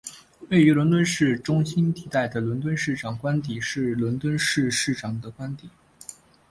位于伦敦市的中心地带的伦敦市长官邸是伦敦市市长的官邸。